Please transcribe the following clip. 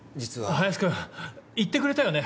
林君言ってくれたよね？